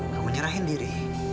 kamu nyerahin diri